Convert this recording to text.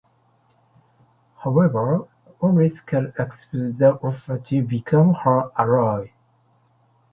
However, only Skull accepted the offer to become her ally.